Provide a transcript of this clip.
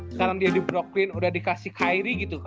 sekarang dia di brooklyn udah dikasih kyrie gitu